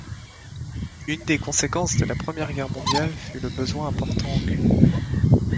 Une des conséquences de la première guerre mondiale fut le besoin important en cuivre.